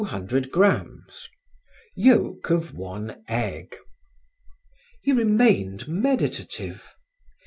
200 grammes Yolk of one egg. He remained meditative.